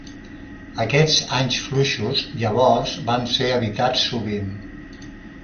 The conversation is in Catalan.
Aquests anys fluixos, llavors van ser evitats sovint.